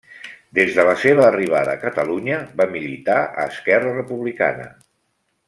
Des de la seva arribada a Catalunya va militar a Esquerra Republicana.